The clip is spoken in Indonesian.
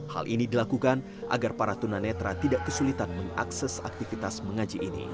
hal ini dilakukan agar para tunanetra tidak kesulitan mengakses aktivitas mengaji ini